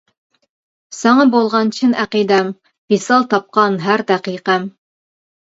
ساڭا بولغان چىن ئەقىدەم، ۋىسال تاپقان ھەر دەقىقەم.